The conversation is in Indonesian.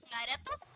ga ada tuh